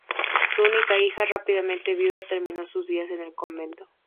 Su única hija, rápidamente viuda, terminó sus días en el convento.